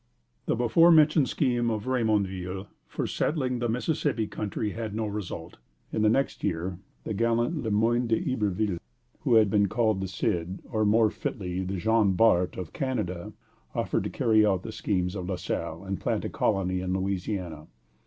The before mentioned scheme of Rémonville for settling the Mississippi country had no result. In the next year the gallant Le Moyne d'Iberville who has been called the Cid, or, more fitly, the Jean Bart, of Canada offered to carry out the schemes of La Salle and plant a colony in Louisiana.